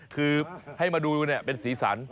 คือให้มาดูเป็นศีรษร